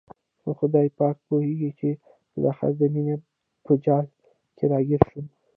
خو خدای پاک پوهېږي چې بالاخره د مینې په جال کې را ګیر شوم.